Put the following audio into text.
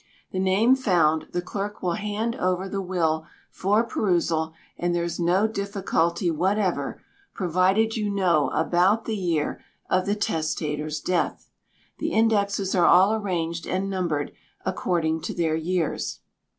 The name found, the clerk will hand over the will for perusal, and there is no difficulty whatever, provided you know about the year of the testator's death. The Indexes are all arranged and numbered according to their years.